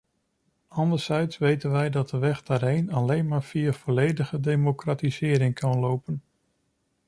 Anderzijds weten wij dat de weg daarheen alleen maar via volledige democratisering kan lopen.